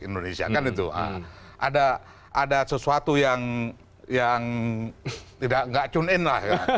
indonesia kan itu ada ada sesuatu yang yang tidak enggak cunin lah ya